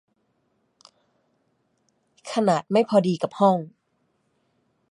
ขนาดไม่พอดีกับห้อง